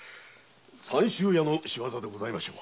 三州屋の仕業でございましょう。